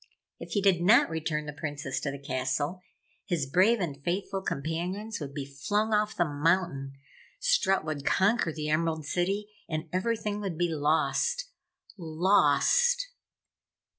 If he did not return the Princess to the castle, his brave and faithful companions would be flung off the mountain, Strut would conquer the Emerald City and everything would be lost. LOST!